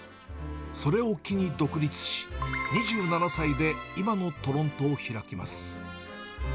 それを機に独立し、２７歳で今のトロントを開きます。